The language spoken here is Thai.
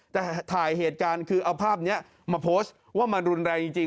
แต่ถ่ายเหตุการณ์คือเอาภาพนี้มาโพสต์ว่ามันรุนแรงจริง